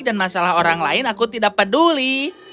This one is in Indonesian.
dan masalah orang lain aku tidak peduli